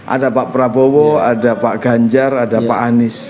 ada pak prabowo ada pak ganjar ada pak anies